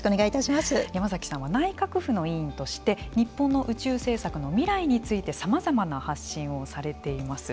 山崎さんは内閣府の委員として日本の宇宙政策の未来についてさまざまな発信をされています。